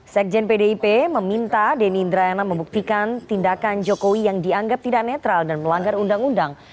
sekjen pdip meminta denny indrayana membuktikan tindakan jokowi yang dianggap tidak netral dan melanggar undang undang